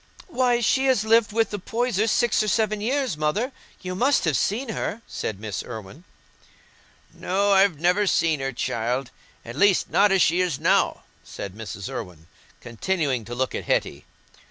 "Why, she has lived with the Poysers six or seven years, Mother; you must have seen her," said Miss Irwine. "No, I've never seen her, child—at least not as she is now," said Mrs. Irwine, continuing to look at Hetty.